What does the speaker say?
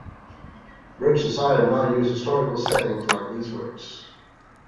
Brooks decided not to use historical settings like these works.